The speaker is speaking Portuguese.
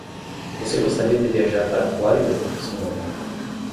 Você gostaria de viajar para a Flórida, senhor?